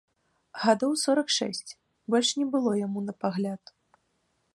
Гадоў сорак шэсць, больш не было яму на пагляд.